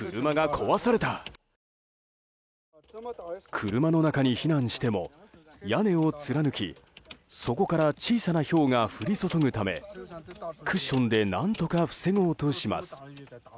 車の中に避難しても屋根を貫きそこから小さなひょうが降り注ぐためクッションで何とか防ごうとします。